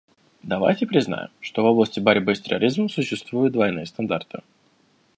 Давайте признаем, что в области борьбы с терроризмом существуют двойные стандарты.